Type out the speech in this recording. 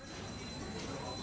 penyelidikan yang terjadi di bekasi